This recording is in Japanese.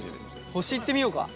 星いってみようか。